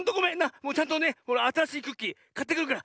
もうちゃんとねあたらしいクッキーかってくるから。